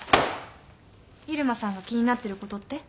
入間さんが気になってることって？